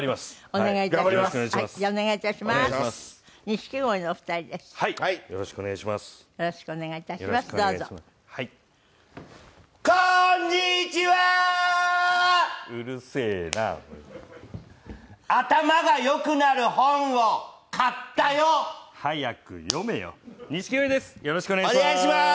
お願いしまーす！